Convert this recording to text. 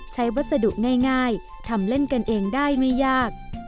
วัสดุง่ายทำเล่นกันเองได้ไม่ยาก